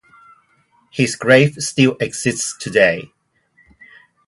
His grave still exists today.